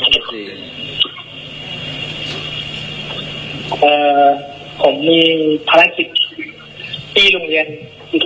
เอ่อผมมีภารกิจที่โรงเรียนอีกชุดหนึ่งที่ผมจะต้องพักให้นักเรียน